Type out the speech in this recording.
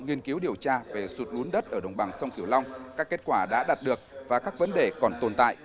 nghiên cứu điều tra về sụt lún đất ở đồng bằng sông kiều long các kết quả đã đạt được và các vấn đề còn tồn tại